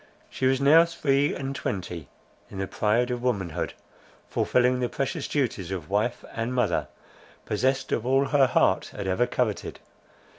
She was now three and twenty, in the pride of womanhood, fulfilling the precious duties of wife and mother, possessed of all her heart had ever coveted.